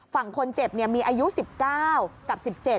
ฝั่งคนเจ็บมีอายุ๑๙กับ๑๗